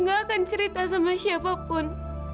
akan cerita sama siapapun